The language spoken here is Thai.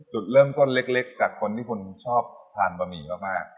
จุดเริ่มต้นเล็กจากคนที่คุณชอบทานบะหมี่มาก